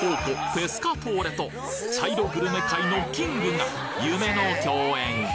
ペスカトーレと茶色グルメ界のキングが夢の共演！